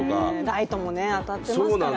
ライトも当たってますからね。